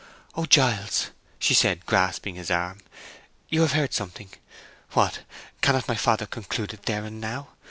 "Oh, Giles," she said, grasping his arm, "you have heard something! What—cannot my father conclude it there and now?